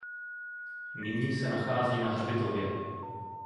Nyní se nachází na hřbitově.